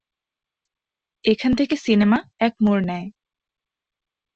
এখান থেকে সিনেমা এক মোড় নেয়।